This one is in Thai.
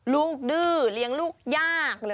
ลูกดื้อเลี้ยงลูกยาก